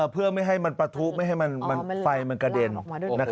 เพื่อไม่ให้มันปะทุไม่ให้ไฟมันกระเด็น